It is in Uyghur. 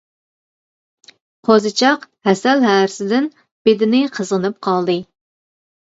قوزىچاق ھەسەل ھەرىسىدىن بېدىنى قىزغىنىپ قالدى.